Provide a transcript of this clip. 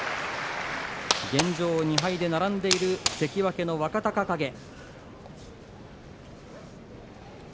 現状２敗で並んでいる関脇の若隆景。